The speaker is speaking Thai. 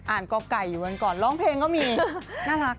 ก่อไก่อยู่วันก่อนร้องเพลงก็มีน่ารัก